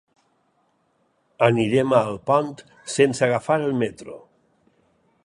Anirem a Alpont sense agafar el metro.